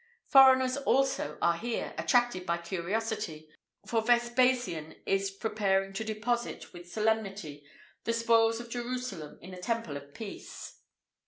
Foreigners, also, are here, attracted by curiosity; for Vespasian is preparing to deposit with solemnity the spoils of Jerusalem in the temple of Peace.